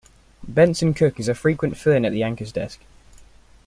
Benson Cook is a frequent fill-in at the anchor's desk.